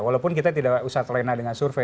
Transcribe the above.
walaupun kita tidak usah terlena dengan survei